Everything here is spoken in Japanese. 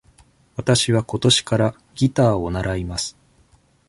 わたしは今年からギターを習います。